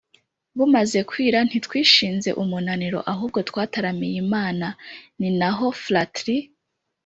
bumaze kwira ntitwishinze umunaniro, ahubwo twataramiye imana. ni n’aho fratri